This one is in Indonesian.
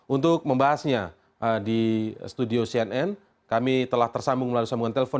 untuk membahasnya di studio cnn kami telah tersambung melalui sambungan telepon